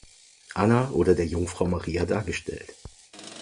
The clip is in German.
Anna oder der Jungfrau Maria dargestellt.